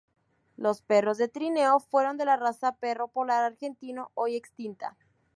Los perros de trineo fueron de la raza perro polar argentino, hoy extinta.